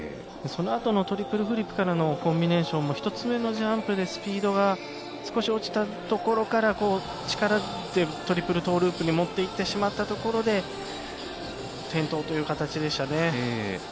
その後のトリプルフリップからのコンビネーションも１つ目のジャンプでスピードが少し落ちたところから力でトリプルトーループに持っていってしまったところで転倒という形でしたね。